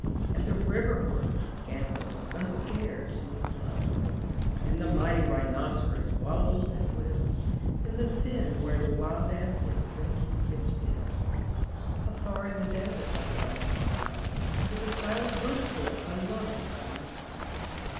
And the river horse gambols unscared in the flood, And the mighty rhinoceros wallows at will In the fen where the wild ass is drinking his fill. 226 THROUGH FAIRY HALLS Afar in the desert I love to ride, With the silent Bush boy alone by my side.